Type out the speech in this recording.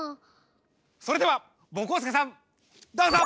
それではぼこすけさんどうぞ！